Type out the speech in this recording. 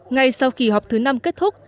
ngay sau kỳ họp thứ năm kết thúc